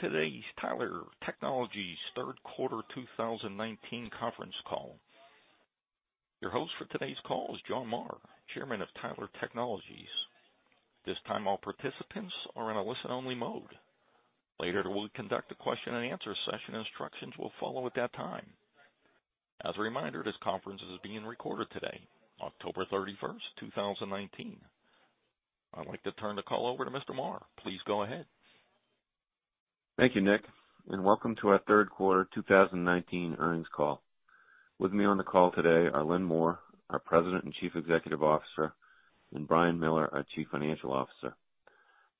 Hello, and welcome to today's Tyler Technologies third quarter 2019 conference call. Your host for today's call is John Marr, chairman of Tyler Technologies. At this time, all participants are in a listen-only mode. Later, we'll conduct a question and answer session. Instructions will follow at that time. As a reminder, this conference is being recorded today, October 31st, 2019. I'd like to turn the call over to Mr. Marr. Please go ahead. Thank you, Nick, and welcome to our third quarter 2019 earnings call. With me on the call today are Lynn Moore, our President and Chief Executive Officer, and Brian Miller, our Chief Financial Officer.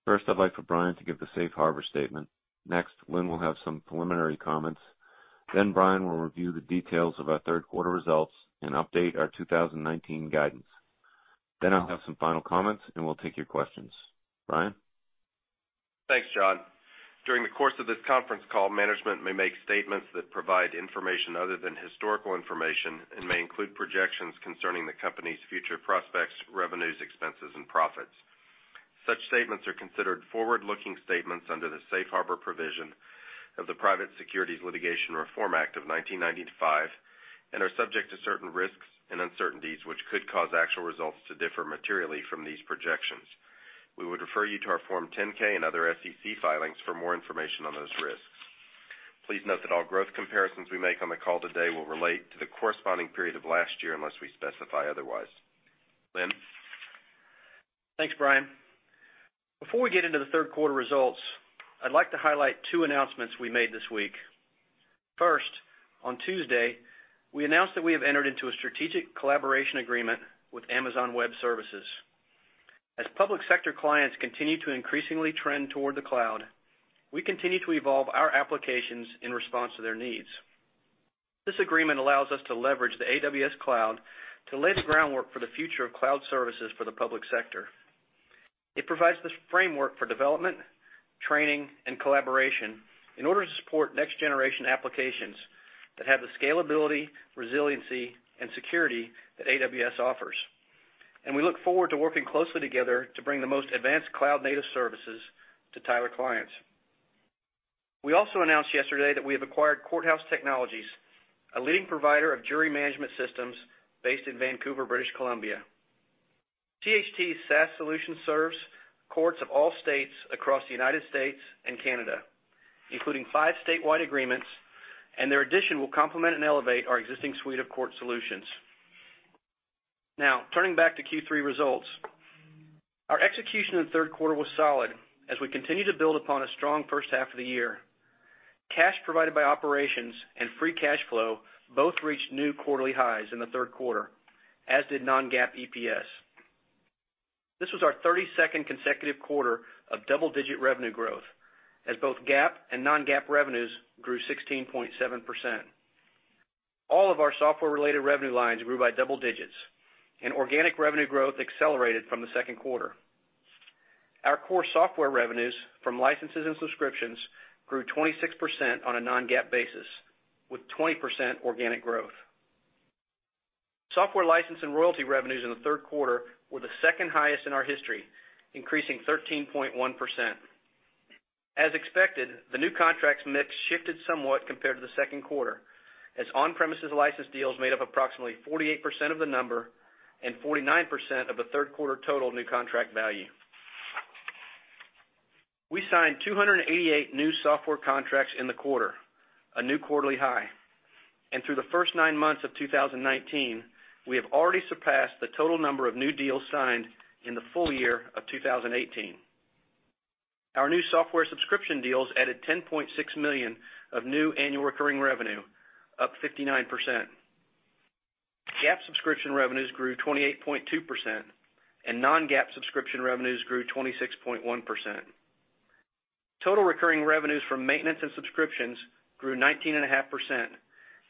First, I'd like for Brian to give the safe harbor statement. Lynn will have some preliminary comments, Brian will review the details of our third quarter results and update our 2019 guidance. I'll have some final comments, and we'll take your questions. Brian? Thanks, John. During the course of this conference call, management may make statements that provide information other than historical information and may include projections concerning the company's future prospects, revenues, expenses, and profits. Such statements are considered forward-looking statements under the safe harbor provision of the Private Securities Litigation Reform Act of 1995 and are subject to certain risks and uncertainties, which could cause actual results to differ materially from these projections. We would refer you to our Form 10-K and other SEC filings for more information on those risks. Please note that all growth comparisons we make on the call today will relate to the corresponding period of last year unless we specify otherwise. Lynn? Thanks, Brian. Before we get into the third quarter results, I'd like to highlight two announcements we made this week. First, on Tuesday, we announced that we have entered into a strategic collaboration agreement with Amazon Web Services. As public sector clients continue to increasingly trend toward the cloud, we continue to evolve our applications in response to their needs. This agreement allows us to leverage the AWS cloud to lay the groundwork for the future of cloud services for the public sector. It provides this framework for development, training, and collaboration in order to support next-generation applications that have the scalability, resiliency, and security that AWS offers. We look forward to working closely together to bring the most advanced cloud-native services to Tyler clients. We also announced yesterday that we have acquired Courthouse Technologies, a leading provider of jury management systems based in Vancouver, British Columbia. CHT's SaaS solution serves courts of all states across the United States and Canada, including five statewide agreements. Their addition will complement and elevate our existing suite of court solutions. Now, turning back to Q3 results. Our execution in the third quarter was solid as we continue to build upon a strong first half of the year. Cash provided by operations and free cash flow both reached new quarterly highs in the third quarter, as did non-GAAP EPS. This was our 32nd consecutive quarter of double-digit revenue growth, as both GAAP and non-GAAP revenues grew 16.7%. All of our software-related revenue lines grew by double digits. Organic revenue growth accelerated from the second quarter. Our core software revenues from licenses and subscriptions grew 26% on a non-GAAP basis, with 20% organic growth. Software license and royalty revenues in the third quarter were the second highest in our history, increasing 13.1%. As expected, the new contracts mix shifted somewhat compared to the second quarter, as on-premises license deals made up approximately 48% of the number, and 49% of the third quarter total new contract value. We signed 288 new software contracts in the quarter, a new quarterly high. Through the first nine months of 2019, we have already surpassed the total number of new deals signed in the full year of 2018. Our new software subscription deals added $10.6 million of new annual recurring revenue, up 59%. GAAP subscription revenues grew 28.2%, and non-GAAP subscription revenues grew 26.1%. Total recurring revenues from maintenance and subscriptions grew 19.5%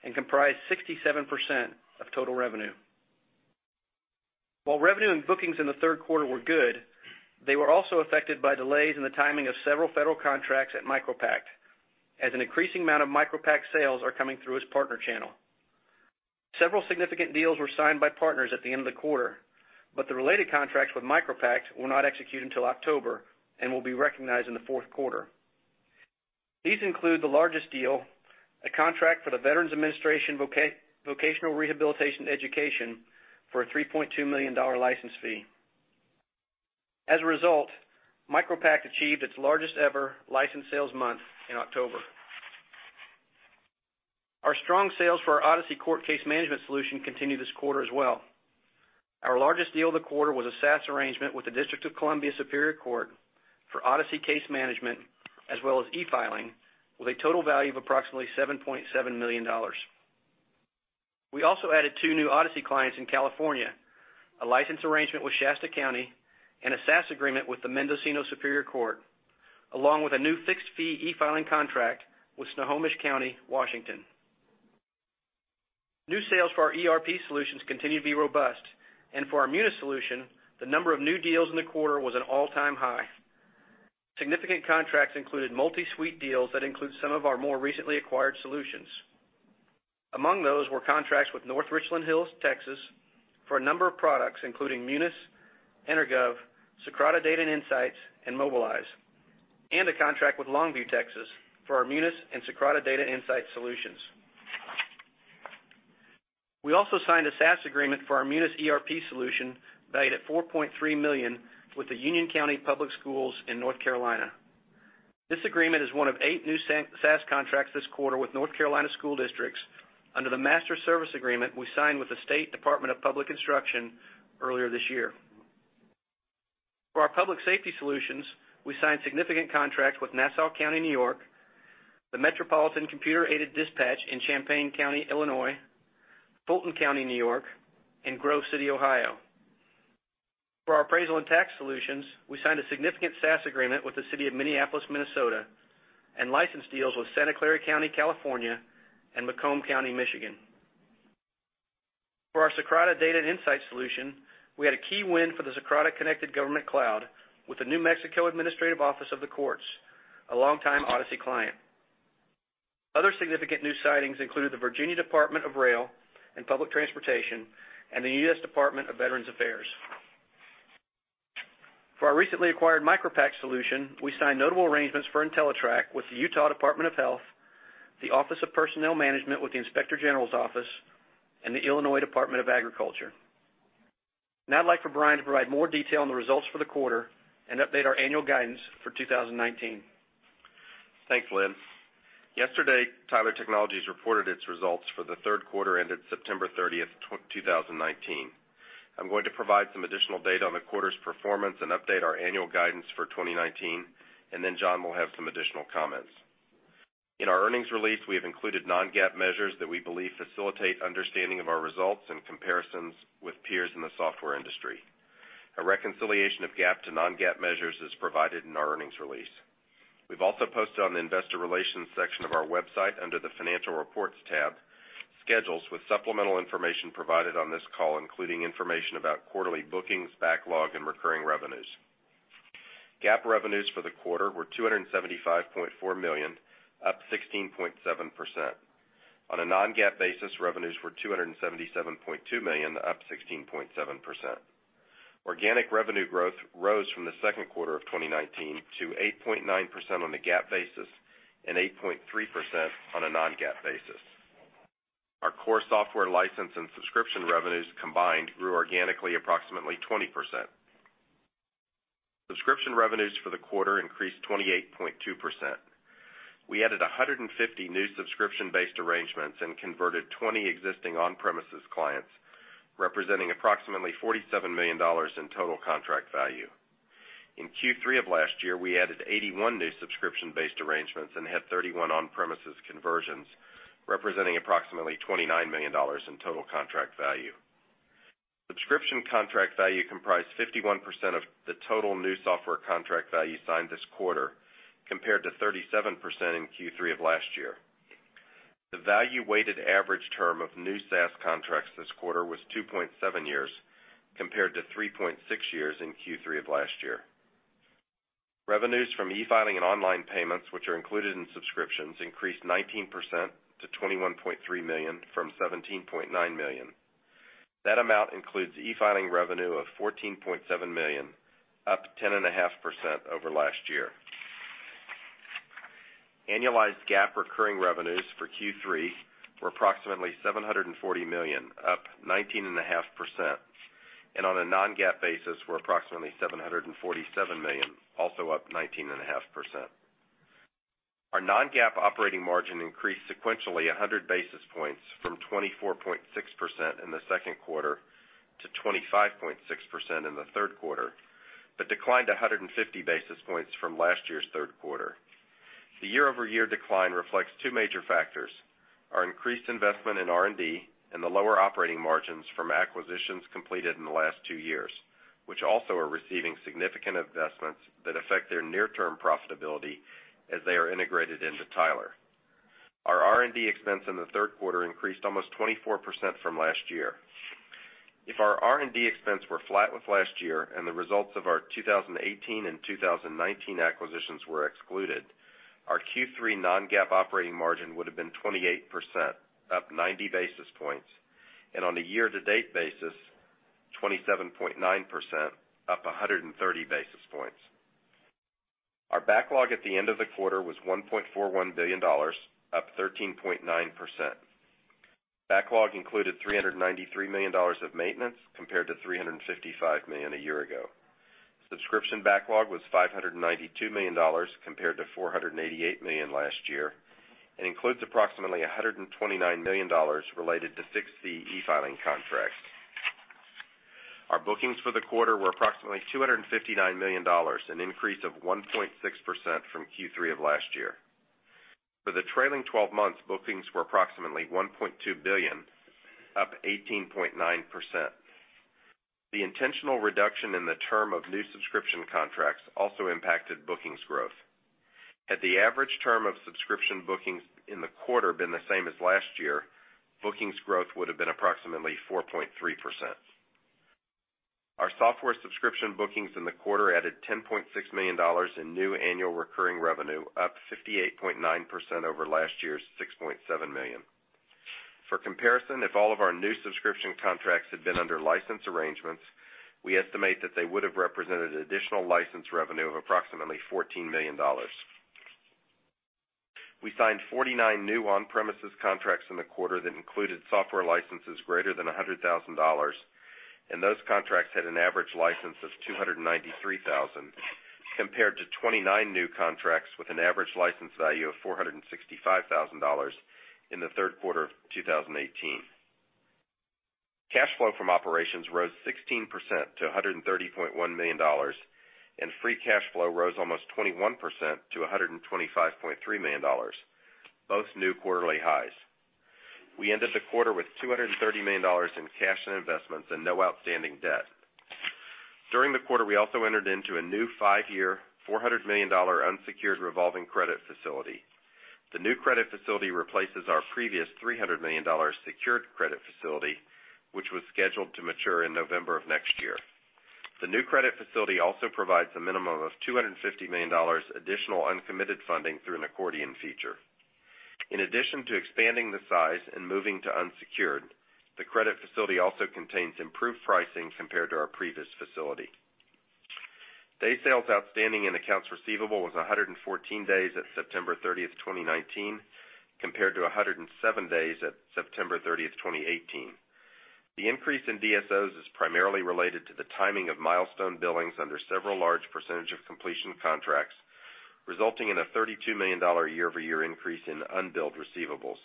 and comprised 67% of total revenue. While revenue and bookings in the third quarter were good, they were also affected by delays in the timing of several federal contracts at MicroPact, as an increasing amount of MicroPact sales are coming through its partner channel. Several significant deals were signed by partners at the end of the quarter, but the related contracts with MicroPact will not execute until October and will be recognized in the fourth quarter. These include the largest deal, a contract for the Veterans Administration Vocational Rehabilitation Education for a $3.2 million license fee. As a result, MicroPact achieved its largest ever licensed sales month in October. Our strong sales for our Odyssey court case management solution continue this quarter as well. Our largest deal of the quarter was a SaaS arrangement with the District of Columbia Superior Court for Odyssey Case Management, as well as e-filing, with a total value of approximately $7.7 million. We also added two new Odyssey clients in California, a license arrangement with Shasta County, and a SaaS agreement with the Mendocino Superior Court, along with a new fixed-fee e-filing contract with Snohomish County, Washington. New sales for our ERP solutions continue to be robust. For our Munis solution, the number of new deals in the quarter was an all-time high. Significant contracts included multi-suite deals that include some of our more recently acquired solutions. Among those were contracts with North Richland Hills, Texas for a number of products, including Munis, EnerGov, Socrata Data and Insights, and Mobilize, and a contract with Longview, Texas for our Munis and Socrata Data and Insights solutions. We also signed a SaaS agreement for our Munis ERP solution valued at $4.3 million with the Union County Public Schools in North Carolina. This agreement is one of eight new SaaS contracts this quarter with North Carolina school districts under the master service agreement we signed with the State Department of Public Instruction earlier this year. For our public safety solutions, we signed significant contracts with Nassau County, N.Y., the Metropolitan Computer Aided Dispatch in Champaign County, Illinois, Fulton County, N.Y., and Grove City, Ohio. For our appraisal and tax solutions, we signed a significant SaaS agreement with the City of Minneapolis, Minnesota, and license deals with Santa Clara County, California, and Macomb County, Michigan. For our Socrata Data and Insights solution, we had a key win for the Socrata Connected Government Cloud with the New Mexico Administrative Office of the Courts, a longtime Odyssey client. Other significant new sightings included the Virginia Department of Rail and Public Transportation and the U.S. Department of Veterans Affairs. For our recently acquired MicroPact solution, we signed notable arrangements for IntelliTrack with the Utah Department of Health, the Office of Personnel Management with the Inspector General's Office, and the Illinois Department of Agriculture. Now I'd like for Brian to provide more detail on the results for the quarter and update our annual guidance for 2019. Thanks, Lynn. Yesterday, Tyler Technologies reported its results for the third quarter ended September 30th, 2019. I'm going to provide some additional data on the quarter's performance and update our annual guidance for 2019. John will have some additional comments. In our earnings release, we have included non-GAAP measures that we believe facilitate understanding of our results and comparisons with peers in the software industry. A reconciliation of GAAP to non-GAAP measures is provided in our earnings release. We've also posted on the investor relations section of our website, under the Financial Reports tab, schedules with supplemental information provided on this call, including information about quarterly bookings, backlog, and recurring revenues. GAAP revenues for the quarter were $275.4 million, up 16.7%. On a non-GAAP basis, revenues were $277.2 million, up 16.7%. Organic revenue growth rose from the second quarter of 2019 to 8.9% on a GAAP basis and 8.3% on a non-GAAP basis. Our core software license and subscription revenues combined grew organically approximately 20%. Subscription revenues for the quarter increased 28.2%. We added 150 new subscription-based arrangements and converted 20 existing on-premises clients, representing approximately $47 million in total contract value. In Q3 of last year, we added 81 new subscription-based arrangements and had 31 on-premises conversions, representing approximately $29 million in total contract value. Subscription contract value comprised 51% of the total new software contract value signed this quarter, compared to 37% in Q3 of last year. The value-weighted average term of new SaaS contracts this quarter was 2.7 years, compared to 3.6 years in Q3 of last year. Revenues from e-filing and online payments, which are included in subscriptions, increased 19% to $21.3 million from $17.9 million. That amount includes e-filing revenue of $14.7 million, up 10.5% over last year. Annualized GAAP recurring revenues for Q3 were approximately $740 million, up 19.5%, and on a non-GAAP basis were approximately $747 million, also up 19.5%. Our non-GAAP operating margin increased sequentially 100 basis points from 24.6% in the second quarter to 25.6% in the third quarter, but declined 150 basis points from last year's third quarter. The year-over-year decline reflects two major factors, our increased investment in R&D and the lower operating margins from acquisitions completed in the last two years, which also are receiving significant investments that affect their near-term profitability as they are integrated into Tyler. Our R&D expense in the third quarter increased almost 24% from last year. If our R&D expense were flat with last year and the results of our 2018 and 2019 acquisitions were excluded, our Q3 non-GAAP operating margin would've been 28%, up 90 basis points, and on a year-to-date basis, 27.9%, up 130 basis points. Our backlog at the end of the quarter was $1.41 billion, up 13.9%. Backlog included $393 million of maintenance compared to $355 million a year ago. Subscription backlog was $592 million compared to $488 million last year, and includes approximately $129 million related to six new e-filing contracts. Our bookings for the quarter were approximately $259 million, an increase of 1.6% from Q3 of last year. For the trailing 12 months, bookings were approximately $1.2 billion, up 18.9%. The intentional reduction in the term of new subscription contracts also impacted bookings growth. Had the average term of subscription bookings in the quarter been the same as last year, bookings growth would've been approximately 4.3%. Our software subscription bookings in the quarter added $10.6 million in new annual recurring revenue, up 58.9% over last year's $6.7 million. For comparison, if all of our new subscription contracts had been under license arrangements, we estimate that they would have represented additional license revenue of approximately $14 million. We signed 49 new on-premises contracts in the quarter that included software licenses greater than $100,000, and those contracts had an average license of $293,000, compared to 29 new contracts with an average license value of $465,000 in the third quarter of 2018. Cash flow from operations rose 16% to $130.1 million, and free cash flow rose almost 21% to $125.3 million, both new quarterly highs. We ended the quarter with $230 million in cash and investments and no outstanding debt. During the quarter, we also entered into a new five-year, $400 million unsecured revolving credit facility. The new credit facility replaces our previous $300 million secured credit facility, which was scheduled to mature in November of next year. The new credit facility also provides a minimum of $250 million additional uncommitted funding through an accordion feature. In addition to expanding the size and moving to unsecured, the credit facility also contains improved pricing compared to our previous facility. Day sales outstanding and accounts receivable was 114 days at September 30th, 2019, compared to 107 days at September 30th, 2018. The increase in DSOs is primarily related to the timing of milestone billings under several large percentage of completion contracts, resulting in a $32 million year-over-year increase in unbilled receivables.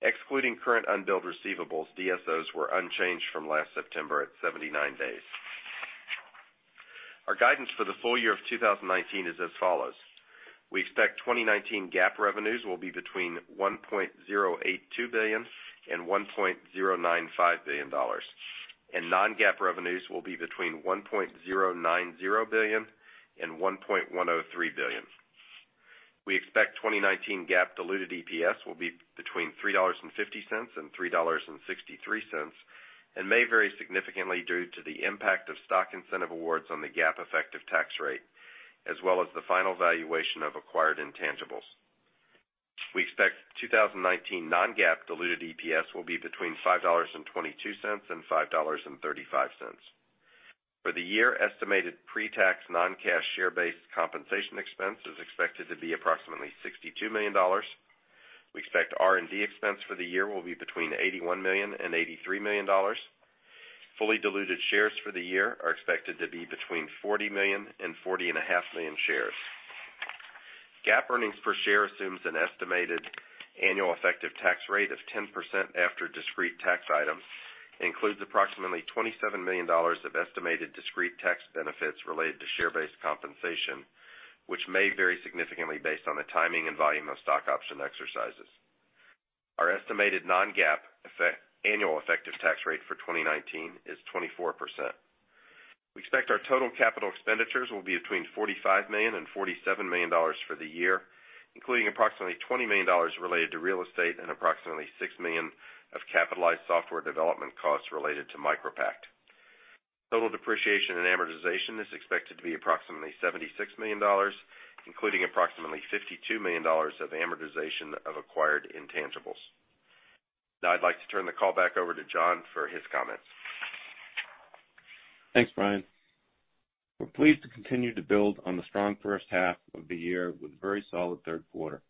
Excluding current unbilled receivables, DSOs were unchanged from last September at 79 days. Our guidance for the full year of 2019 is as follows: We expect 2019 GAAP revenues will be between $1.082 billion and $1.095 billion, and non-GAAP revenues will be between $1.090 billion and $1.103 billion. We expect 2019 GAAP diluted EPS will be between $3.50 and $3.63, and may vary significantly due to the impact of stock incentive awards on the GAAP effective tax rate, as well as the final valuation of acquired intangibles. We expect 2019 non-GAAP diluted EPS will be between $5.22 and $5.35. For the year, estimated pre-tax non-cash share-based compensation expense is expected to be approximately $62 million. We expect R&D expense for the year will be between $81 million and $83 million. Fully diluted shares for the year are expected to be between 40 million and 40.5 million shares. GAAP earnings per share assumes an estimated annual effective tax rate of 10% after discrete tax items, includes approximately $27 million of estimated discrete tax benefits related to share-based compensation, which may vary significantly based on the timing and volume of stock option exercises. Our estimated non-GAAP annual effective tax rate for 2019 is 24%. We expect our total capital expenditures will be between $45 million and $47 million for the year, including approximately $20 million related to real estate and approximately $6 million of capitalized software development costs related to MicroPact. Total depreciation and amortization is expected to be approximately $76 million, including approximately $52 million of amortization of acquired intangibles. Now I'd like to turn the call back over to John for his comments. Thanks, Brian. We're pleased to continue to build on the strong first half of the year with a very solid third quarter.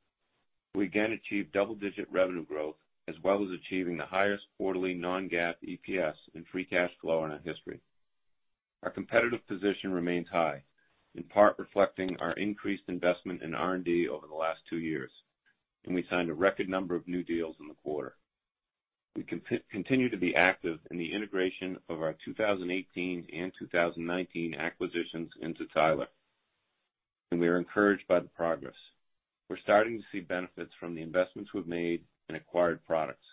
We again achieved double-digit revenue growth, as well as achieving the highest quarterly non-GAAP EPS and free cash flow in our history. Our competitive position remains high, in part reflecting our increased investment in R&D over the last two years. We signed a record number of new deals in the quarter. We continue to be active in the integration of our 2018 and 2019 acquisitions into Tyler. We are encouraged by the progress. We're starting to see benefits from the investments we've made in acquired products,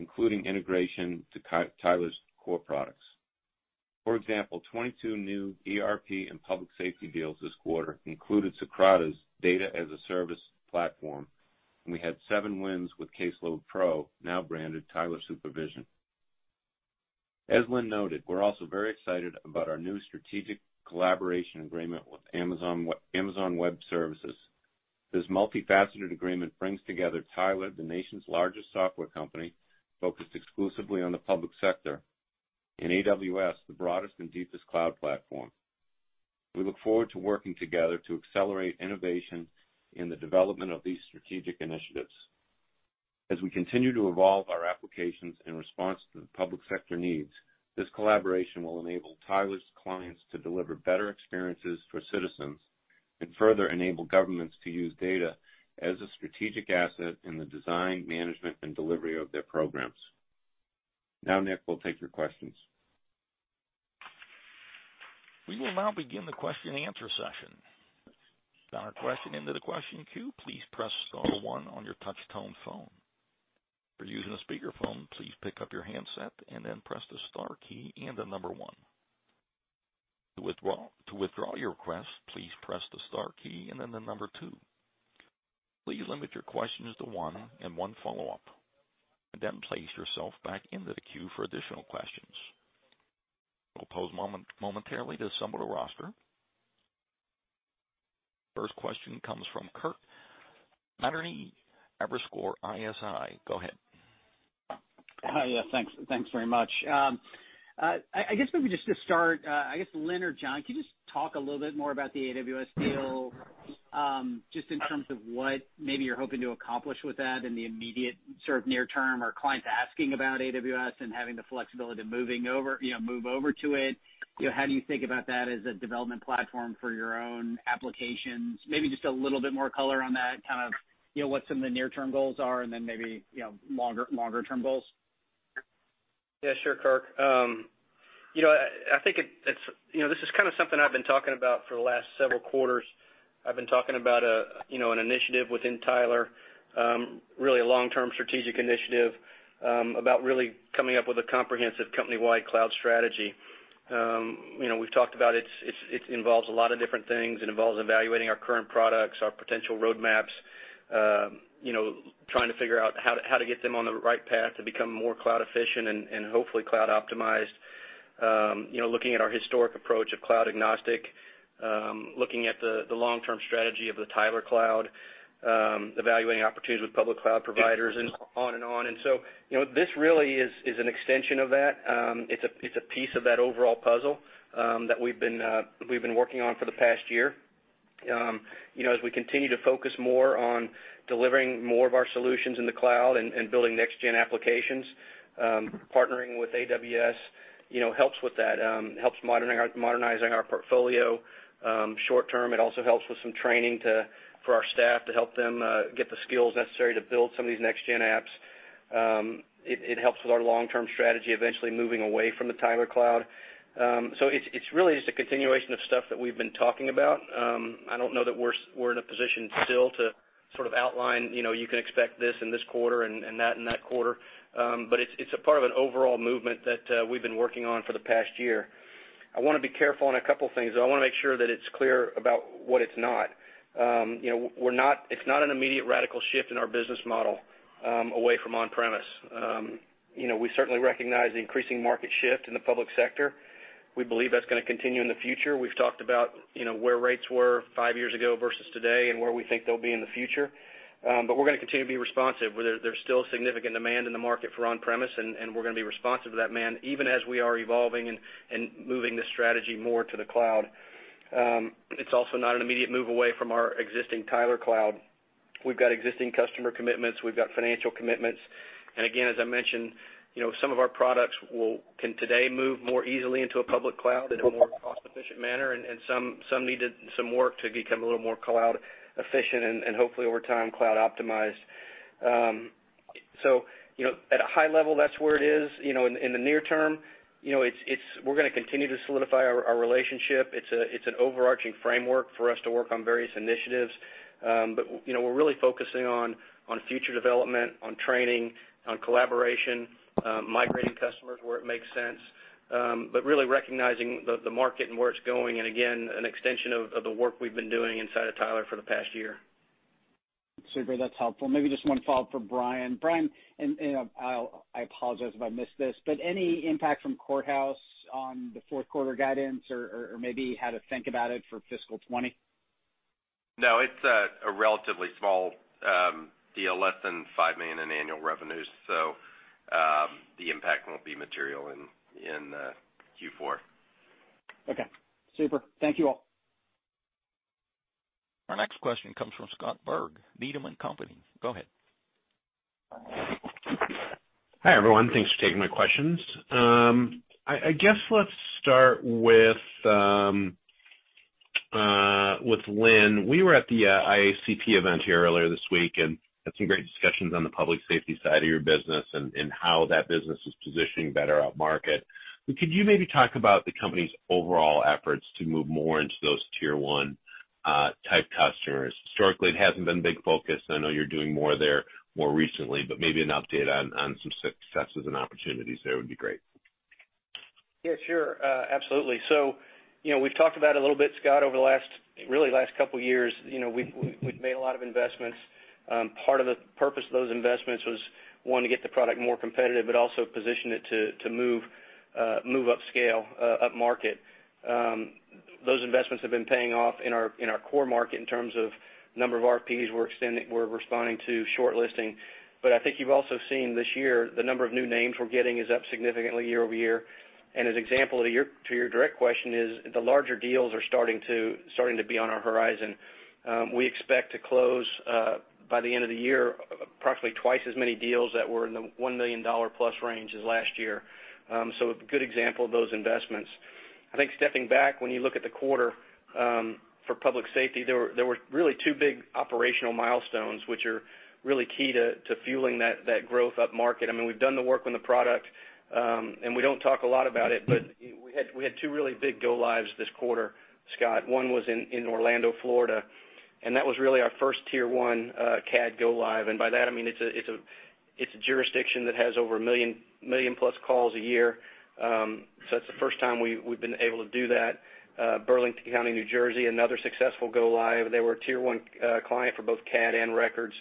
including integration to Tyler's core products. For example, 22 new ERP and public safety deals this quarter included Socrata's Data-as-a-Service platform. We had seven wins with CaseloadPRO, now branded Tyler Supervision. As Lynn noted, we're also very excited about our new strategic collaboration agreement with Amazon Web Services. This multi-faceted agreement brings together Tyler, the nation's largest software company focused exclusively on the public sector, and AWS, the broadest and deepest cloud platform. We look forward to working together to accelerate innovation in the development of these strategic initiatives. As we continue to evolve our applications in response to the public sector needs, this collaboration will enable Tyler's clients to deliver better experiences for citizens and further enable governments to use data as a strategic asset in the design, management, and delivery of their programs. Nick, we'll take your questions. We will now begin the question and answer session. To sound a question into the question queue, please press star one on your touch tone phone. If you're using a speakerphone, please pick up your handset and then press the star key and the number one. To withdraw your request, please press the star key and then the number two. Please limit your questions to one and one follow-up, and then place yourself back into the queue for additional questions. We'll pause momentarily to assemble the roster. First question comes from Kirk Materne, Evercore ISI. Go ahead. Hi. Yeah, thanks very much. I guess maybe just to start, Lynn or John, can you just talk a little bit more about the AWS deal, just in terms of what maybe you're hoping to accomplish with that in the immediate sort of near term? Are clients asking about AWS and having the flexibility to move over to it? How do you think about that as a development platform for your own applications? Maybe just a little bit more color on that, kind of what some of the near-term goals are, and then maybe longer term goals. Yeah, sure, Kirk. This is something I've been talking about for the last several quarters. I've been talking about an initiative within Tyler, really a long-term strategic initiative, about really coming up with a comprehensive company-wide cloud strategy. We've talked about it involves a lot of different things. It involves evaluating our current products, our potential roadmaps, trying to figure out how to get them on the right path to become more cloud efficient and hopefully cloud optimized. Looking at our historic approach of cloud agnostic, looking at the long-term strategy of the Tyler Cloud, evaluating opportunities with public cloud providers, and on and on. This really is an extension of that. It's a piece of that overall puzzle that we've been working on for the past year. As we continue to focus more on delivering more of our solutions in the cloud and building next-gen applications, partnering with AWS helps with that, helps modernizing our portfolio short-term. It also helps with some training for our staff to help them get the skills necessary to build some of these next-gen apps. It helps with our long-term strategy, eventually moving away from the Tyler Cloud. It's really just a continuation of stuff that we've been talking about. I don't know that we're in a position still to sort of outline, you can expect this in this quarter and that in that quarter. It's a part of an overall movement that we've been working on for the past year. I want to be careful on a couple things, though. I want to make sure that it's clear about what it's not. It's not an immediate radical shift in our business model away from on-premise. We certainly recognize the increasing market shift in the public sector. We believe that's going to continue in the future. We've talked about where rates were five years ago versus today and where we think they'll be in the future. We're going to continue to be responsive. There's still significant demand in the market for on-premise, and we're going to be responsive to that demand, even as we are evolving and moving the strategy more to the cloud. It's also not an immediate move away from our existing Tyler Cloud. We've got existing customer commitments. We've got financial commitments. Again, as I mentioned, some of our products can today move more easily into a public cloud in a more cost-efficient manner, and some needed some work to become a little more cloud efficient and hopefully over time, cloud optimized. At a high level, that's where it is. In the near term, we're going to continue to solidify our relationship. It's an overarching framework for us to work on various initiatives. We're really focusing on future development, on training, on collaboration, migrating customers where it makes sense, but really recognizing the market and where it's going, and again, an extension of the work we've been doing inside of Tyler for the past year. Super. That's helpful. Maybe just one follow-up for Brian. Brian, I apologize if I missed this, any impact from Courthouse on the fourth quarter guidance or maybe how to think about it for fiscal 2020? No, it's a relatively small deal, less than $5 million in annual revenues. The impact won't be material in Q4. Okay, super. Thank you all. Our next question comes from Scott Berg, Needham & Company. Go ahead. Hi, everyone. Thanks for taking my questions. I guess let's start with Lynn. We were at the IACP event here earlier this week and had some great discussions on the public safety side of your business and how that business is positioning better at market. Could you maybe talk about the company's overall efforts to move more into those tier 1 type customers? Historically, it hasn't been a big focus. I know you're doing more there more recently, but maybe an update on some successes and opportunities there would be great. Yeah, sure. Absolutely. We've talked about a little bit, Scott, over really the last couple years. We've made a lot of investments. Part of the purpose of those investments was, one, to get the product more competitive, but also position it to move upscale, upmarket. Those investments have been paying off in our core market in terms of number of RFPs we're responding to shortlisting. I think you've also seen this year the number of new names we're getting is up significantly year-over-year. As example to your direct question is the larger deals are starting to be on our horizon. We expect to close, by the end of the year, approximately twice as many deals that were in the $1 million-plus range as last year. A good example of those investments. I think stepping back, when you look at the quarter for public safety, there were really two big operational milestones, which are really key to fueling that growth upmarket. We've done the work on the product, and we don't talk a lot about it, but we had two really big go-lives this quarter, Scott. One was in Orlando, Florida, and that was really our first tier 1 CAD go live. By that, I mean it's a jurisdiction that has over a million-plus calls a year. That's the first time we've been able to do that. Burlington County, New Jersey, another successful go live. They were a tier 1 client for both CAD and records.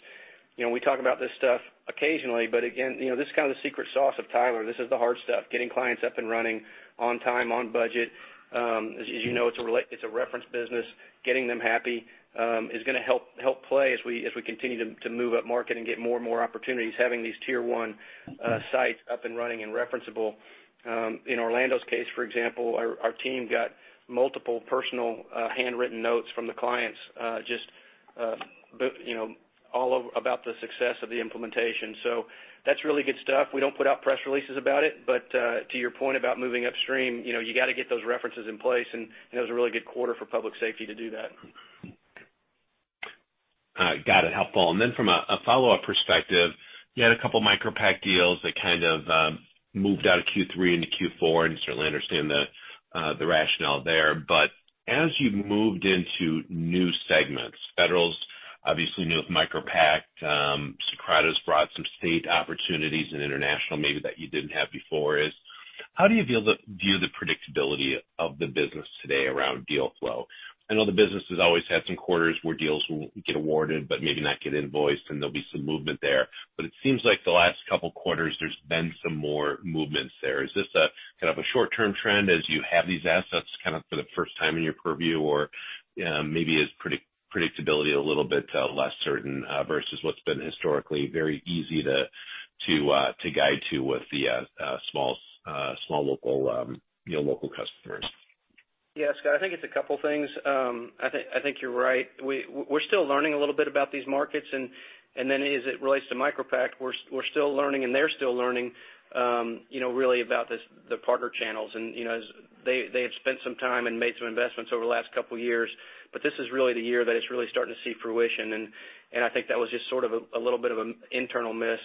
We talk about this stuff occasionally, but again, this is kind of the secret sauce of Tyler. This is the hard stuff, getting clients up and running on time, on budget. As you know, it's a reference business. Getting them happy is going to help play as we continue to move up market and get more and more opportunities, having these tier 1 sites up and running and referenceable. In Orlando's case, for example, our team got multiple personal handwritten notes from the clients, just all about the success of the implementation. That's really good stuff. We don't put out press releases about it, but to your point about moving upstream, you got to get those references in place, and it was a really good quarter for public safety to do that. Got it. Helpful. From a follow-up perspective, you had a couple MicroPact deals that kind of moved out of Q3 into Q4, and certainly understand the rationale there. As you've moved into new segments, federals, obviously you knew with MicroPact, Socrata's brought some state opportunities in international maybe that you didn't have before, is how do you view the predictability of the business today around deal flow? I know the business has always had some quarters where deals will get awarded but maybe not get invoiced, and there'll be some movement there. It seems like the last couple quarters, there's been some more movements there. Is this a kind of a short-term trend as you have these assets kind of for the first time in your purview? Maybe is predictability a little bit less certain, versus what's been historically very easy to guide to with the small local customers? Yeah, Scott, I think it's a couple things. I think you're right. We're still learning a little bit about these markets. As it relates to MicroPact, we're still learning, they're still learning really about the partner channels. They have spent some time and made some investments over the last couple of years. This is really the year that it's really starting to see fruition. I think that was just sort of a little bit of an internal miss,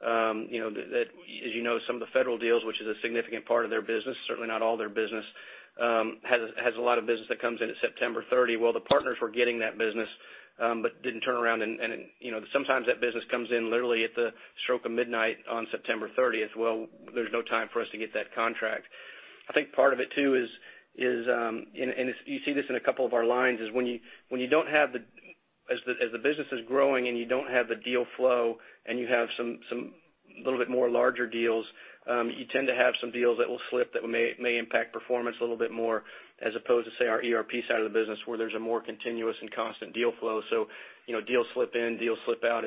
that as you know, some of the federal deals, which is a significant part of their business, certainly not all their business, has a lot of business that comes in at September 30. The partners were getting that business, but didn't turn around. Sometimes that business comes in literally at the stroke of midnight on September 30th. There's no time for us to get that contract. I think part of it too is, and you see this in a couple of our lines, is as the business is growing and you don't have the deal flow and you have some little bit more larger deals, you tend to have some deals that will slip that may impact performance a little bit more, as opposed to, say, our ERP side of the business, where there's a more continuous and constant deal flow. Deals slip in, deals slip out.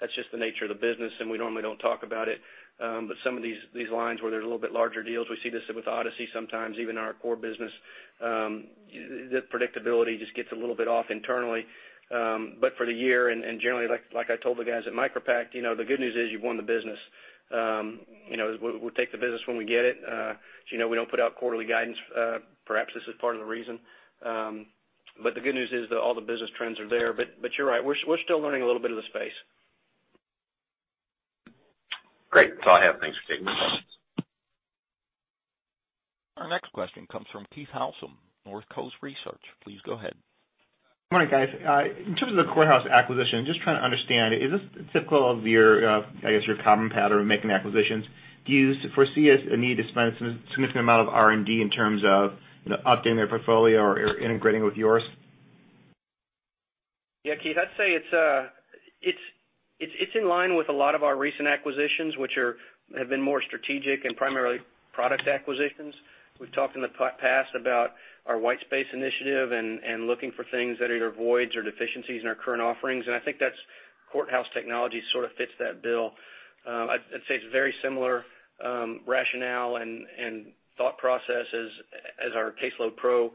That's just the nature of the business, and we normally don't talk about it. Some of these lines where there's a little bit larger deals, we see this with Odyssey sometimes, even our core business. The predictability just gets a little bit off internally. For the year, and generally, like I told the guys at MicroPact, the good news is you've won the business. We'll take the business when we get it. As you know, we don't put out quarterly guidance. Perhaps this is part of the reason. The good news is that all the business trends are there. You're right. We're still learning a little bit of the space. Great. That's all I have. Thanks for taking my questions. Our next question comes from Keith Housum, Northcoast Research. Please go ahead. Good morning, guys. In terms of the Courthouse acquisition, just trying to understand, is this typical of your common pattern of making acquisitions? Do you foresee a need to spend some significant amount of R&D in terms of updating their portfolio or integrating with yours? Yeah, Keith, I'd say it's in line with a lot of our recent acquisitions, which have been more strategic and primarily product acquisitions. We've talked in the past about our white space initiative and looking for things that are either voids or deficiencies in our current offerings. I think Courthouse Technologies sort of fits that bill. I'd say it's a very similar rationale and thought process as our CaseloadPRO,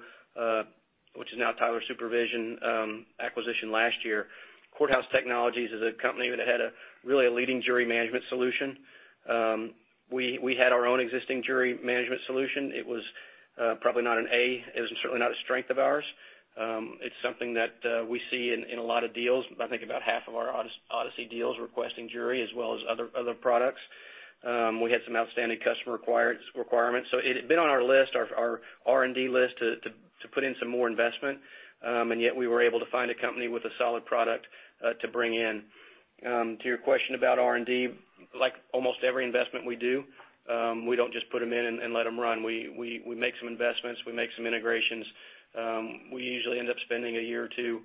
which is now Tyler Supervision, acquisition last year. Courthouse Technologies is a company that had really a leading jury management solution. We had our own existing jury management solution. It was probably not an A. It was certainly not a strength of ours. It's something that we see in a lot of deals. I think about half of our Odyssey deals requesting jury as well as other products. We had some outstanding customer requirements. It had been on our list, our R&D list, to put in some more investment. Yet we were able to find a company with a solid product to bring in. To your question about R&D, like almost every investment we do, we don't just put them in and let them run. We make some investments. We make some integrations. We usually end up spending a year or two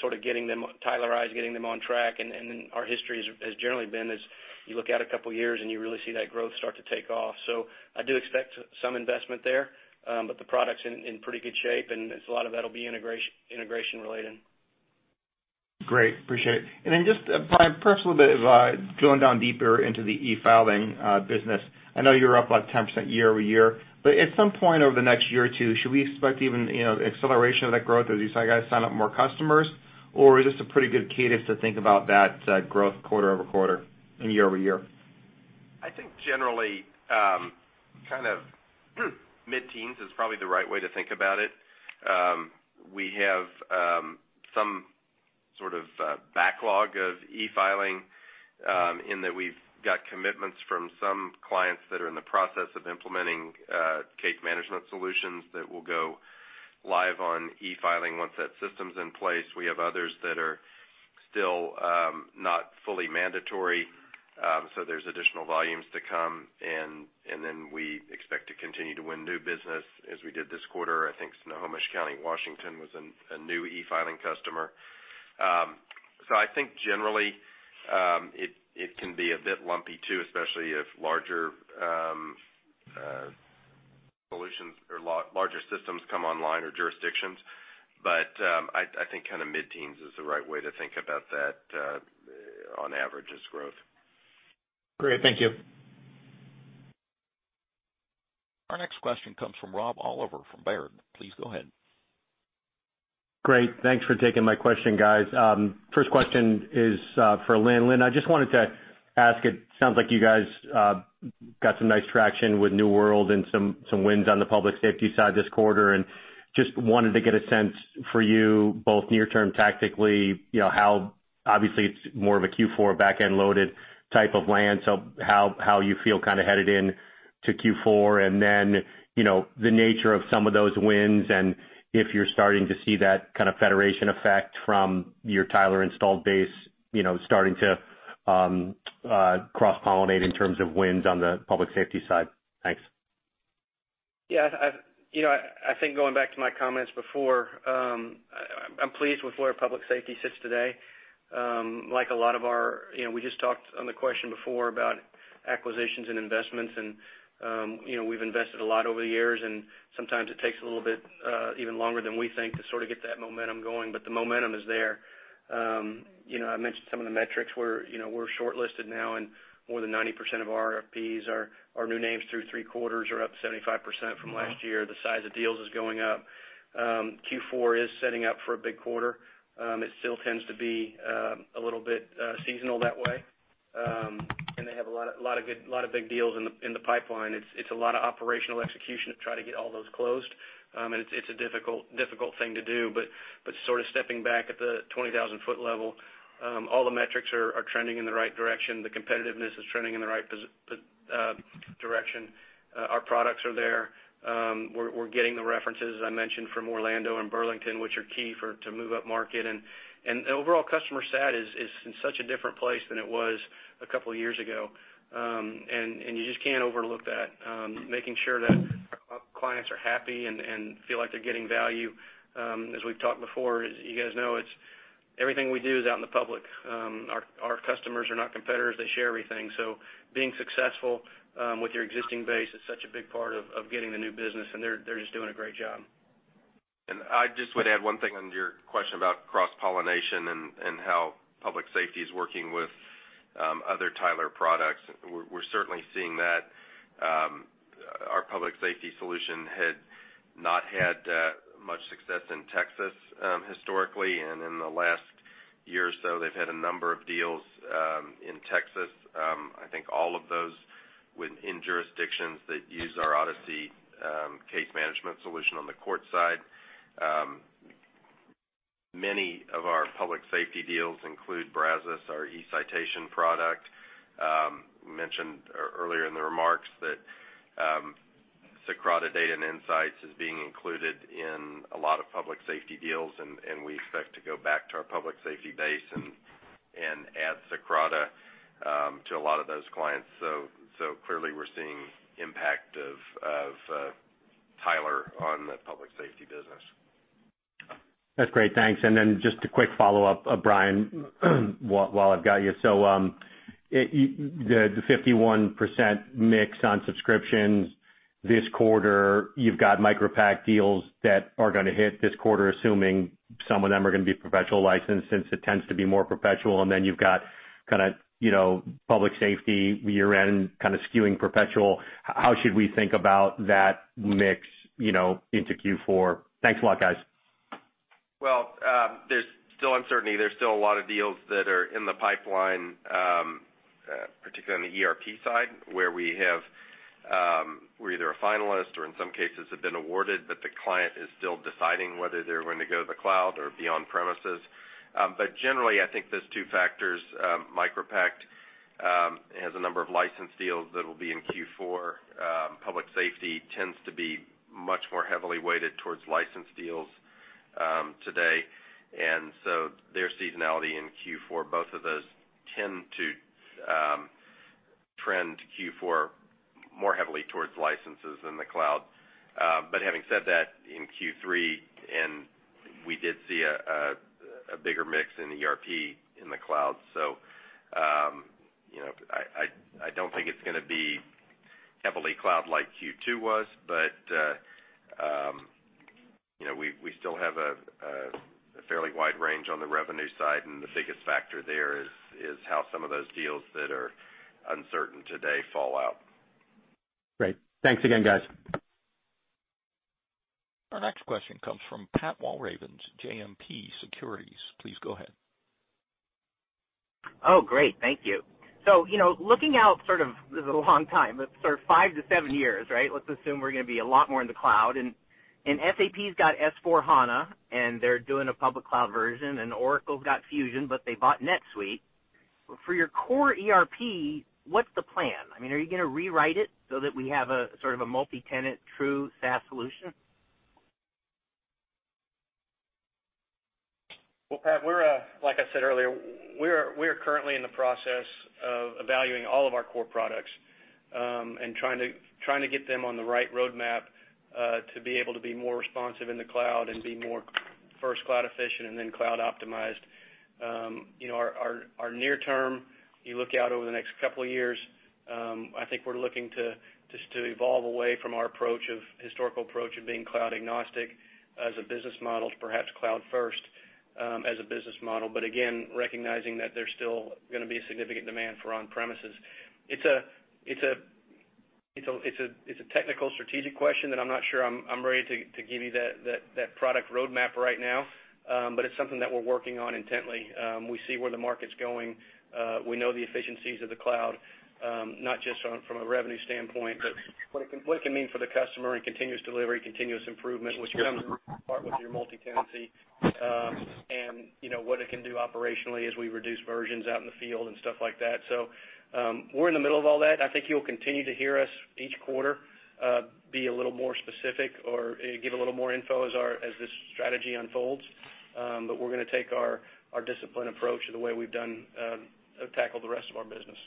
sort of Tylerizing, getting them on track, and then our history has generally been as you look out a couple of years and you really see that growth start to take off. I do expect some investment there. The product's in pretty good shape, and a lot of that'll be integration related. Great. Appreciate it. Then just perhaps a little bit of going down deeper into the e-filing business. I know you're up like 10% year-over-year. At some point over the next year or two, should we expect even acceleration of that growth as you guys sign up more customers? Is this a pretty good cadence to think about that growth quarter-over-quarter and year-over-year? I think generally, kind of mid-teens is probably the right way to think about it. We have some sort of backlog of e-filing, in that we've got commitments from some clients that are in the process of implementing case management solutions that will go live on e-filing once that system's in place. We have others that are still not fully mandatory. There's additional volumes to come, we expect to continue to win new business as we did this quarter. I think Snohomish County, Washington, was a new e-filing customer. I think generally, it can be a bit lumpy too, especially if larger solutions or larger systems come online or jurisdictions. I think mid-teens is the right way to think about that on average as growth. Great. Thank you. Our next question comes from Rob Oliver, from Baird. Please go ahead. Great. Thanks for taking my question, guys. First question is for Lynn. Lynn, I just wanted to ask, it sounds like you guys got some nice traction with New World and some wins on the Public Safety side this quarter, and just wanted to get a sense from you, both near term tactically, obviously, it's more of a Q4 backend loaded type of land. How you feel headed into Q4 and then, the nature of some of those wins and if you're starting to see that kind of federation effect from your Tyler installed base, starting to cross-pollinate in terms of wins on the Public Safety side. Thanks. Yeah. I think going back to my comments before, I'm pleased with where Public Safety sits today. We just talked on the question before about acquisitions and investments, and we've invested a lot over the years, and sometimes it takes a little bit even longer than we think to sort of get that momentum going, but the momentum is there. I mentioned some of the metrics where we're shortlisted now and more than 90% of RFPs are new names through three quarters are up 75% from last year. The size of deals is going up. Q4 is setting up for a big quarter. It still tends to be a little bit seasonal that way. They have a lot of big deals in the pipeline. It's a lot of operational execution to try to get all those closed. It's a difficult thing to do, but sort of stepping back at the 20,000-foot level, all the metrics are trending in the right direction. The competitiveness is trending in the right direction. Our products are there. We're getting the references, as I mentioned, from Orlando and Burlington, which are key to move upmarket, and overall customer sat is in such a different place than it was a couple of years ago. You just can't overlook that. Making sure that our clients are happy and feel like they're getting value. As we've talked before, you guys know, everything we do is out in the public. Our customers are not competitors. They share everything. Being successful with your existing base is such a big part of getting the new business, and they're just doing a great job. I just would add one thing on your question about cross-pollination and how Public Safety is working with other Tyler products. We're certainly seeing that. Our Public Safety solution had not had much success in Texas, historically. In the last year or so, they've had a number of deals in Texas. I think all of those in jurisdictions that use our Odyssey case management solution on the court side. Many of our Public Safety deals include Brazos, our eCitation product. Mentioned earlier in the remarks that Socrata Data & Insights is being included in a lot of Public Safety deals, and we expect to go back to our Public Safety base and add Socrata to a lot of those clients. Clearly, we're seeing impact of Tyler on the Public Safety business. That's great. Thanks. Just a quick follow-up, Brian, while I've got you. The 51% mix on subscriptions this quarter, you've got MicroPact deals that are going to hit this quarter, assuming some of them are going to be perpetual license since it tends to be more perpetual, and then you've got Public Safety year-end skewing perpetual. How should we think about that mix into Q4? Thanks a lot, guys. There's still uncertainty. There's still a lot of deals that are in the pipeline, particularly on the ERP side, where we're either a finalist or in some cases have been awarded, but the client is still deciding whether they're going to go to the cloud or be on-premises. Generally, I think those two factors, MicroPact has a number of licensed deals that will be in Q4. Public Safety tends to be much more heavily weighted towards licensed deals today. Their seasonality in Q4, both of those tend to trend Q4 more heavily towards licenses in the cloud. Having said that, in Q3, we did see a bigger mix in ERP in the cloud. I don't think it's going to be heavily cloud like Q2 was, but we still have a fairly wide range on the revenue side, and the biggest factor there is how some of those deals that are uncertain today fall out. Great. Thanks again, guys. Our next question comes from Pat Walravens, JMP Securities. Please go ahead. Great. Thank you. Looking out sort of, this is a long time, but sort of 5-7 years, right? Let's assume we're going to be a lot more in the cloud, and SAP's got S/4HANA, and they're doing a public cloud version, and Oracle's got Fusion, but they bought NetSuite. For your core ERP, what's the plan? Are you going to rewrite it so that we have a sort of a multi-tenant, true SaaS solution? Well, Pat, like I said earlier, we are currently in the process of evaluating all of our core products, trying to get them on the right roadmap, to be able to be more responsive in the cloud and be more first cloud efficient and then cloud optimized. Our near term, you look out over the next couple of years, I think we're looking to just evolve away from our historical approach of being cloud agnostic as a business model, to perhaps cloud first, as a business model. Again, recognizing that there's still going to be a significant demand for on-premises. It's a technical strategic question that I'm not sure I'm ready to give you that product roadmap right now. It's something that we're working on intently. We see where the market's going. We know the efficiencies of the cloud, not just from a revenue standpoint, but what it can mean for the customer in continuous delivery, continuous improvement, which comes apart with your multi-tenancy. What it can do operationally as we reduce versions out in the field and stuff like that. We're in the middle of all that. I think you'll continue to hear us each quarter, be a little more specific or give a little more info as this strategy unfolds. We're going to take our disciplined approach in the way we've tackled the rest of our business.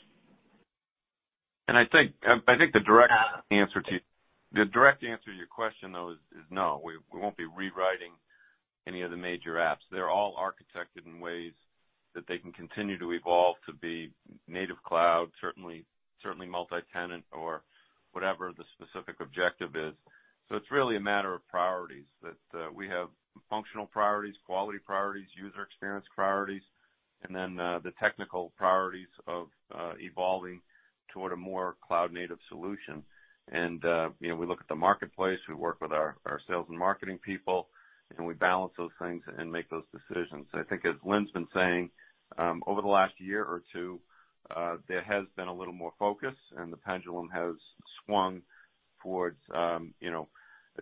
I think the direct answer to your question, though, is no. We won't be rewriting any of the major apps. They're all architected in ways that they can continue to evolve to be native cloud, certainly multi-tenant or whatever the specific objective is. It's really a matter of priorities, that we have functional priorities, quality priorities, user experience priorities, and then the technical priorities of evolving toward a more cloud-native solution. We look at the marketplace, we work with our sales and marketing people, and we balance those things and make those decisions. I think, as Lynn's been saying, over the last year or two, there has been a little more focus, and the pendulum has swung towards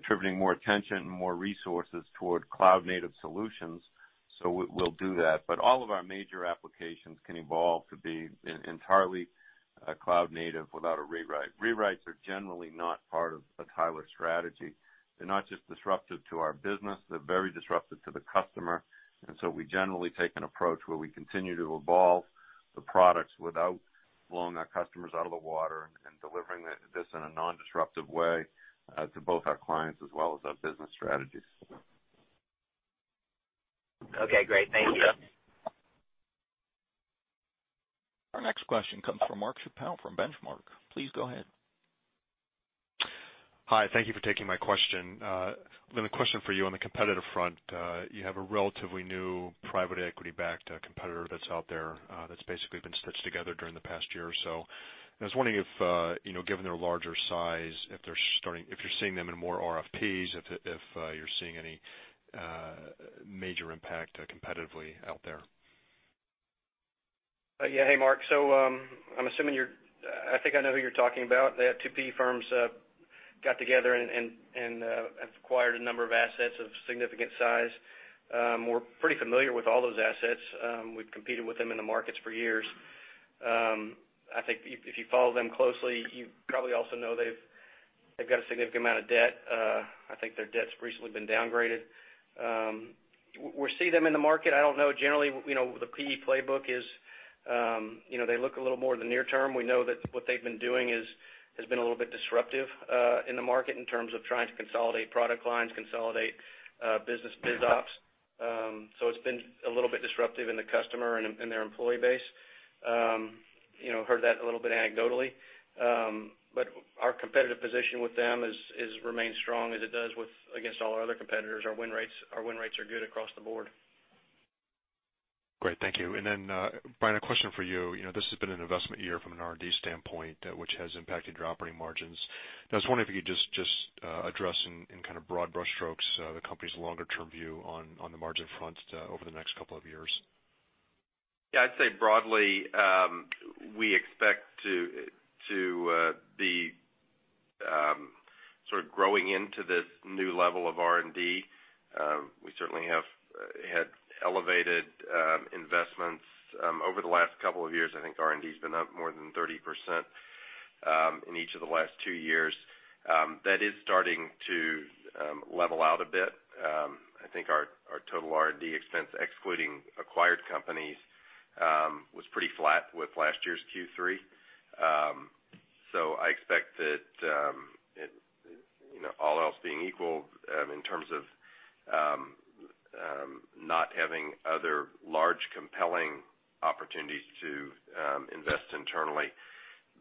attributing more attention and more resources toward cloud-native solutions. We'll do that. All of our major applications can evolve to be entirely cloud native without a rewrite. Rewrites are generally not part of a Tyler strategy. They're not just disruptive to our business, they're very disruptive to the customer. We generally take an approach where we continue to evolve the products without blowing our customers out of the water and delivering this in a non-disruptive way, to both our clients as well as our business strategies. Okay, great. Thank you. Our next question comes from Mark Chappell from Benchmark. Please go ahead. Hi. Thank you for taking my question. Lynn, a question for you on the competitive front. You have a relatively new private equity-backed competitor that's out there, that's basically been stitched together during the past year or so. I was wondering if, given their larger size, if you're seeing them in more RFPs, if you're seeing any major impact competitively out there. Hey, Mark. I think I know who you're talking about. They have two PE firms, got together and acquired a number of assets of significant size. We're pretty familiar with all those assets. We've competed with them in the markets for years. I think if you follow them closely, you probably also know they've got a significant amount of debt. I think their debt's recently been downgraded. We see them in the market. I don't know. Generally, the PE playbook is they look a little more at the near term. We know that what they've been doing has been a little bit disruptive in the market in terms of trying to consolidate product lines, consolidate business biz ops. It's been a little bit disruptive in the customer and their employee base. Heard that a little bit anecdotally. Our competitive position with them remains strong as it does against all our other competitors. Our win rates are good across the board. Great. Thank you. Then, Brian, a question for you. This has been an investment year from an R&D standpoint, which has impacted your operating margins. I was wondering if you could just address in broad brush strokes, the company's longer-term view on the margin front over the next couple of years? Yeah, I'd say broadly, we expect to be sort of growing into this new level of R&D. We certainly have had elevated investments. Over the last couple of years, I think R&D's been up more than 30% in each of the last two years. That is starting to level out a bit. I think our total R&D expense, excluding acquired companies, was pretty flat with last year's Q3. I expect that all else being equal, in terms of not having other large compelling opportunities to invest internally,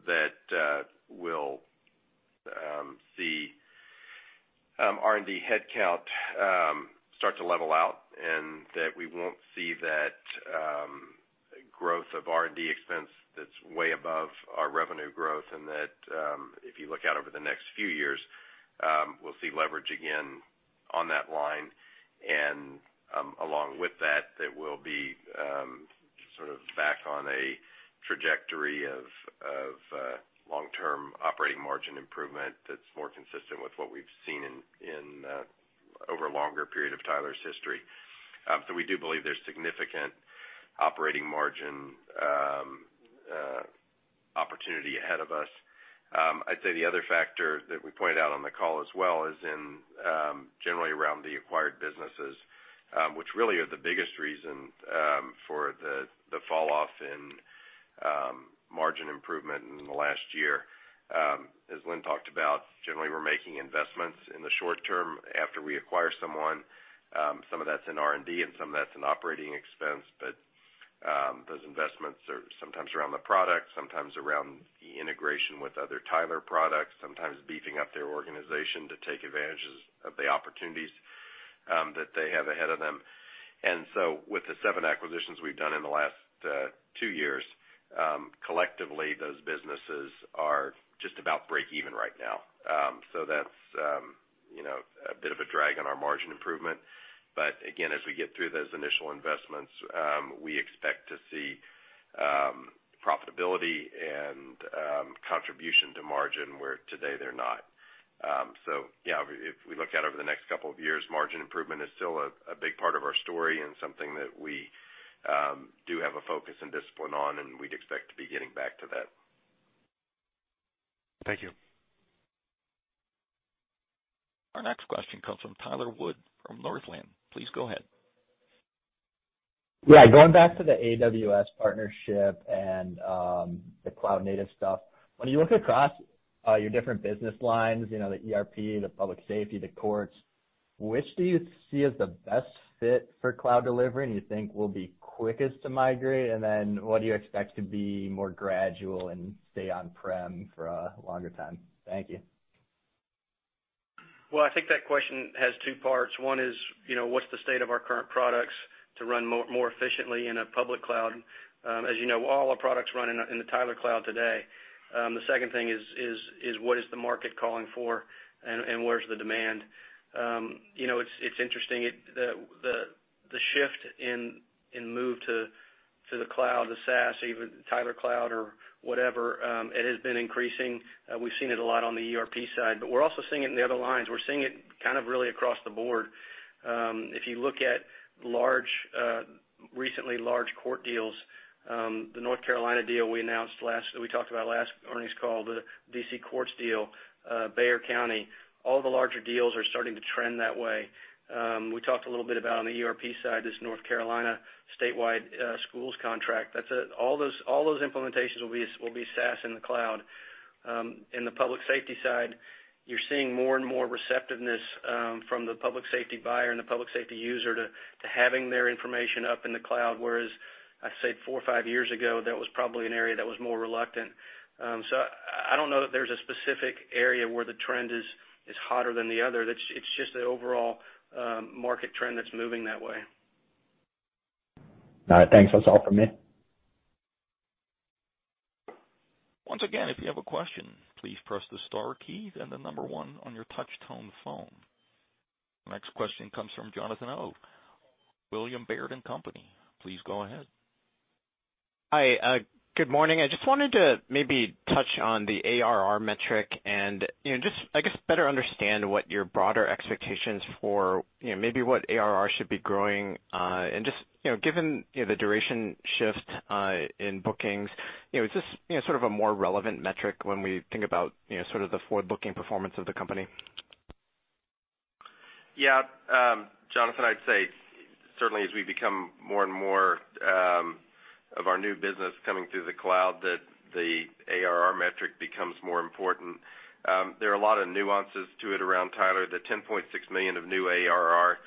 that we'll see R&D headcount start to level out, and that we won't see that growth of R&D expense that's way above our revenue growth. That, if you look out over the next few years, we'll see leverage again on that line. Along with that we'll be sort of back on a trajectory of long-term operating margin improvement that's more consistent with what we've seen over a longer period of Tyler's history. We do believe there's. Operating margin opportunity ahead of us. I'd say the other factor that we pointed out on the call as well is in generally around the acquired businesses, which really are the biggest reason for the fall-off in margin improvement in the last year. As Lynn talked about, generally, we're making investments in the short term after we acquire someone. Some of that's in R&D, and some of that's in operating expense. Those investments are sometimes around the product, sometimes around the integration with other Tyler products, sometimes beefing up their organization to take advantages of the opportunities that they have ahead of them. With the seven acquisitions we've done in the last two years, collectively, those businesses are just about break-even right now. That's a bit of a drag on our margin improvement. Again, as we get through those initial investments, we expect to see profitability and contribution to margin, where today they're not. Yeah, if we look out over the next couple of years, margin improvement is still a big part of our story and something that we do have a focus and discipline on, and we'd expect to be getting back to that. Thank you. Our next question comes from Tyler Wood from Northland. Please go ahead. Going back to the AWS partnership and the cloud-native stuff. When you look across your different business lines, the ERP, the public safety, the courts, which do you see as the best fit for cloud delivery, and you think will be quickest to migrate? What do you expect to be more gradual and stay on-prem for a longer time? Thank you. Well, I think that question has two parts. One is, what's the state of our current products to run more efficiently in a public cloud? As you know, all our products run in the Tyler Cloud today. The second thing is, what is the market calling for, and where's the demand? It's interesting, the shift in move to the cloud, the SaaS, even Tyler Cloud or whatever, it has been increasing. We've seen it a lot on the ERP side, but we're also seeing it in the other lines. We're seeing it really across the board. If you look at recently large court deals, the North Carolina deal we talked about last earnings call, the D.C. courts deal, Bexar County, all the larger deals are starting to trend that way. We talked a little bit about, on the ERP side, this North Carolina statewide schools contract. All those implementations will be SaaS in the cloud. In the public safety side, you're seeing more and more receptiveness from the public safety buyer and the public safety user to having their information up in the cloud. Whereas I'd say four or five years ago, that was probably an area that was more reluctant. I don't know that there's a specific area where the trend is hotter than the other. It's just the overall market trend that's moving that way. All right, thanks. That's all from me. Once again, if you have a question, please press the star key, then the number one on your touch-tone phone. Next question comes from Jonathan Ho, William Blair & Company. Please go ahead. Hi, good morning. I just wanted to maybe touch on the ARR metric and just, I guess, better understand what your broader expectations for maybe what ARR should be growing. Just given the duration shift in bookings, is this sort of a more relevant metric when we think about the forward-looking performance of the company? Jonathan, I'd say certainly as we become more and more of our new business coming through the cloud, that the ARR metric becomes more important. There are a lot of nuances to it around Tyler. The $10.6 million of new ARR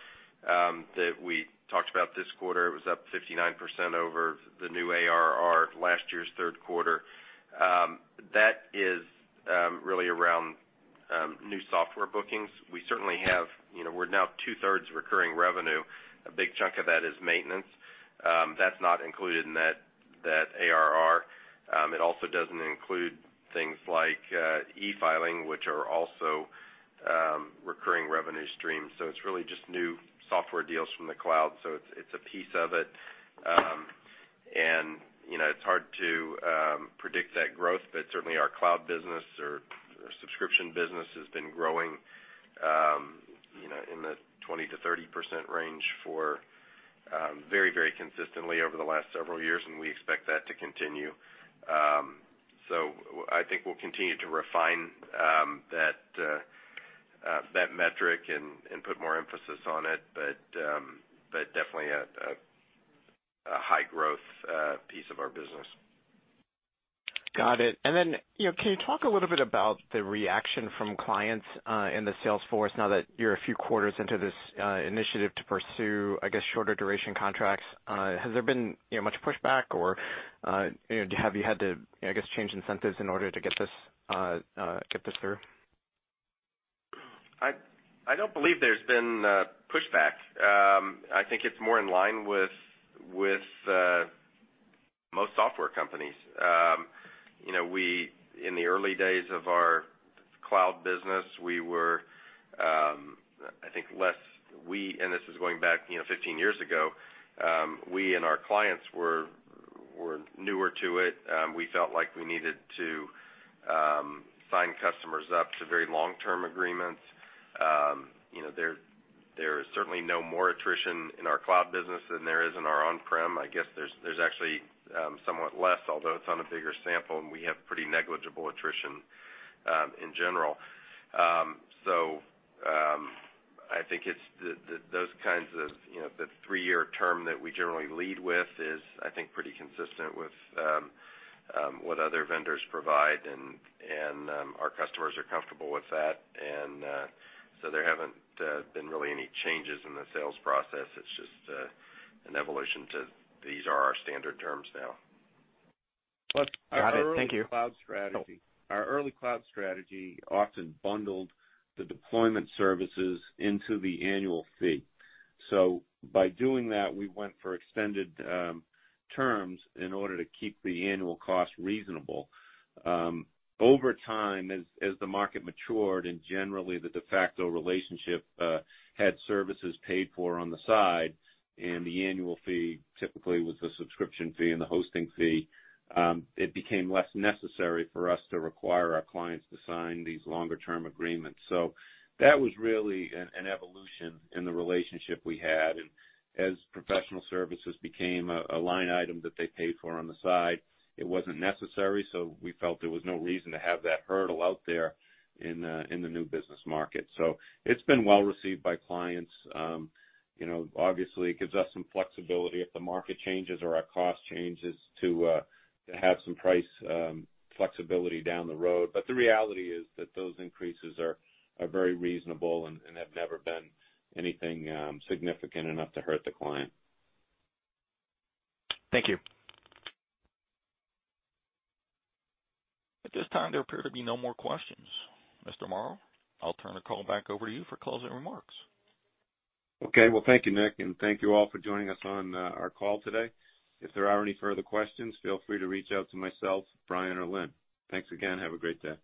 that we talked about this quarter, it was up 59% over the new ARR last year's third quarter. That is really around new software bookings. We're now two-thirds recurring revenue. A big chunk of that is maintenance. That's not included in that ARR. It also doesn't include things like e-filing, which are also recurring revenue streams. It's really just new software deals from the cloud, so it's a piece of it. It's hard to predict that growth, but certainly our cloud business or subscription business has been growing in the 20%-30% range very consistently over the last several years, and we expect that to continue. I think we'll continue to refine that metric and put more emphasis on it, but definitely a high-growth piece of our business. Got it. Then, can you talk a little bit about the reaction from clients in the sales force now that you're a few quarters into this initiative to pursue, I guess, shorter duration contracts? Has there been much pushback, or have you had to, I guess, change incentives in order to get this through? I don't believe there's been pushback. I think it's more in line with most software companies. In the early days of our cloud business, we were, I think, less. This is going back 15 years ago. We and our clients were. newer to it, we felt like we needed to sign customers up to very long-term agreements. There is certainly no more attrition in our cloud business than there is in our on-prem. I guess there's actually somewhat less, although it's on a bigger sample, and we have pretty negligible attrition in general. I think it's those kinds of, the three-year term that we generally lead with is, I think, pretty consistent with what other vendors provide, and our customers are comfortable with that. There haven't been really any changes in the sales process. It's just an evolution to these are our standard terms now. Got it. Thank you. Our early cloud strategy often bundled the deployment services into the annual fee. By doing that, we went for extended terms in order to keep the annual cost reasonable. Over time, as the market matured and generally the de facto relationship had services paid for on the side, and the annual fee typically was the subscription fee and the hosting fee, it became less necessary for us to require our clients to sign these longer-term agreements. That was really an evolution in the relationship we had. As professional services became a line item that they paid for on the side, it wasn't necessary. We felt there was no reason to have that hurdle out there in the new business market. It's been well-received by clients. Obviously, it gives us some flexibility if the market changes or our cost changes to have some price flexibility down the road. The reality is that those increases are very reasonable and have never been anything significant enough to hurt the client. Thank you. At this time, there appear to be no more questions. Mr. Marr, I'll turn the call back over to you for closing remarks. Okay. Well, thank you, Nick, and thank you all for joining us on our call today. If there are any further questions, feel free to reach out to myself, Brian, or Lynn. Thanks again. Have a great day.